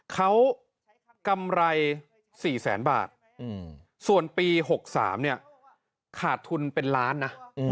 เขากำไร๔แสนบาทส่วนปี๖๓เนี่ยขาดทุนเป็นล้านนะ